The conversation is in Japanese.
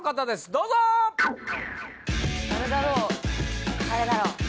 どうぞ誰だろう誰だろう